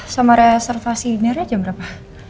sama reservasi ini jam berapa